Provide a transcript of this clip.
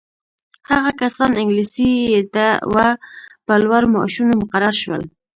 هغه کسان انګلیسي یې زده وه په لوړو معاشونو مقرر شول.